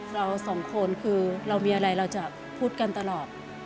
เราสองคนคือเรามีอะไรเราจะพูดกันตลอด